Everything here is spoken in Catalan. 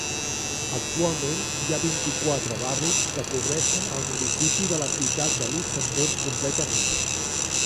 Actualment hi ha vint-i-quatre barris, que cobreixen el municipi de la ciutat de Luxemburg completament.